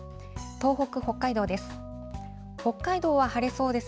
東北、北海道です。